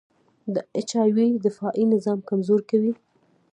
د اچ آی وي دفاعي نظام کمزوری کوي.